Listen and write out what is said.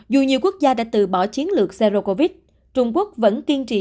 dù nhiều quốc gia đã từ bỏ chiến lược zero covid trung quốc vẫn kiên trì